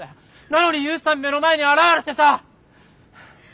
なのに悠さん目の前に現れてさ。